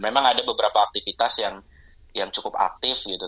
memang ada beberapa aktivitas yang cukup aktif gitu